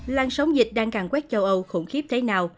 lan sóng dịch đang càng quét châu âu khủng khiếp thế nào